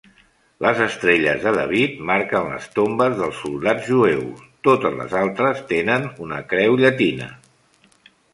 Les estrelles de David marquen les tombes dels soldats jueus, totes les altres tenen una creu llatina.